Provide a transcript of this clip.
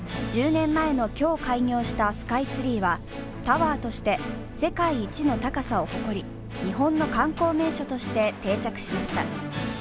１０年前の今日開業したスカイツリーはタワーとして世界一の高さを誇り、日本の観光名所として定着しました。